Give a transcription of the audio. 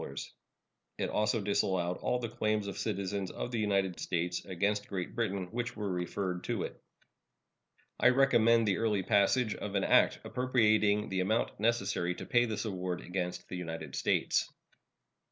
It also disallowed all the claims of citizens of the United States against Great Britain which were referred to it. I recommend the early passage of an act appropriating the amount necessary to pay this award against the United States.